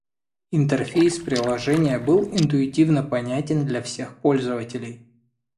Интерфейс приложения был интуитивно понятен для всех пользователей.